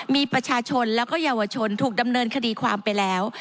มีประชาชนแล้วก็เยาวชนถูกดำเนินคดีความไปแล้ว